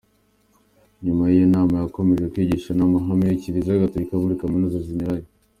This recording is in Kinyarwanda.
Nyuma y’iyo nama yakomeje kwigisha n’amahame ya Kiliziya Gatolika muri kaminuza zinyuranye.